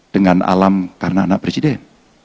dengan alam karena anak presiden